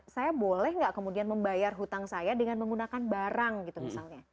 saya boleh nggak kemudian membayar hutang saya dengan menggunakan barang gitu misalnya